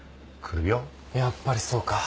やっぱりそうか。